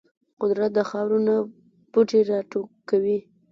قدرت د خاورو نه بوټي راټوکوي.